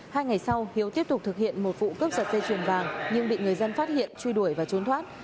hai ngày sau hiếu tiếp tục thực hiện một vụ cướp giật dây chuyền vàng nhưng bị người dân phát hiện truy đuổi và trốn thoát